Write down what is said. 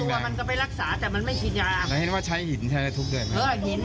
หินมันก็คว่างคว่างเอาอย่าป่าไปอย่างนี้